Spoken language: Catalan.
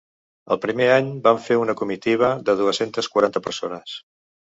El primer any vam fer una comitiva de dues-centes quaranta persones.